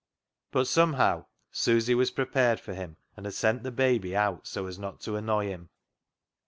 But somehow Susy was prepared for him, and had sent the baby out so as not to annoy him.